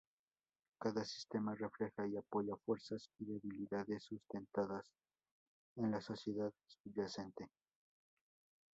Cada sistema refleja y apoya fuerzas y debilidades sustentadas en la sociedad subyacente.